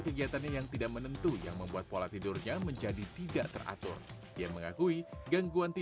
iya jadi nggak apa itu garak garak aja